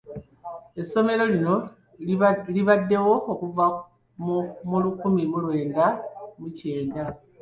Essomero lino libaddewo okuva mu lukumi mu lwenda mu kyenda.